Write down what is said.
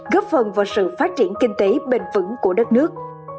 góp phần vào sự phát triển kinh tế bền vững của đất nước